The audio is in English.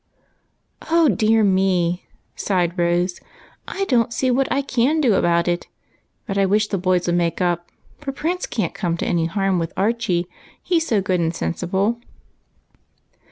" Oh, dear me !" sighed Rose, " I don't see what I can do about it, but I wish the boys would make up, for Prince can't come to any harm with Archie, he's so good and sensible."